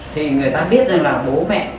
thì người ta biết rằng là bố mẹ